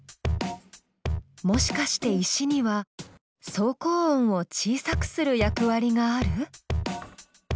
もしかして石には走行音を小さくする役割がある？